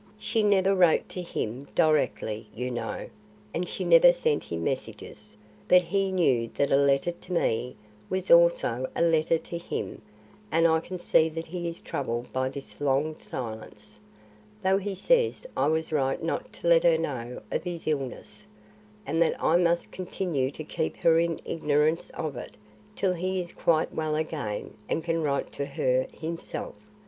She never wrote to him directly, you know, and she never sent him messages, but he knew that a letter to me, was also a letter to him and I can see that he is troubled by this long silence, though he says I was right not to let her know of his illness and that I must continue to keep her in ignorance of it till he is quite well again and can write to her himself.